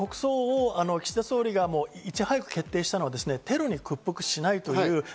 岸田総理がいち早く国葬を決定したのはテロに屈服しないと。